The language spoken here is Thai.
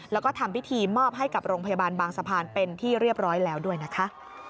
แล้วก็ทำพิธีมอบให้กับโรงพยาบาลบางสะพานเป็นที่เรียบร้อยแล้วด้วยนะคะ